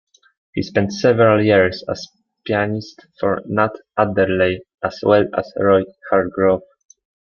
He spent several years as pianist for Nat Adderley, as well as Roy Hargrove.